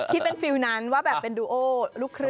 คิดเป็นฟิลลนั้นว่าแบบเป็นดูโอลูกครึ่ง